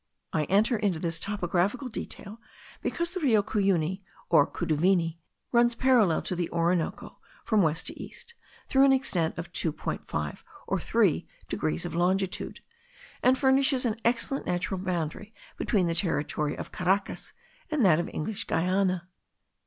I enter into this topographical detail because the Rio Cuyuni, or Cuduvini, runs parallel to the Orinoco from west to east, through an extent of 2.5 or 3 degrees of longitude,* and furnishes an excellent natural boundary between the territory of Caracas and that of English Guiana.